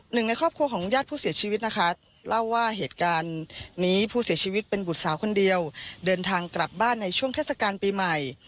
ในครอบครัวของญาติผู้เสียชีวิตนะคะเล่าว่าเหตุการณ์นี้ผู้เสียชีวิตเป็นบุตรสาวคนเดียวเดินทางกลับบ้านในช่วงเทศกาลปีใหม่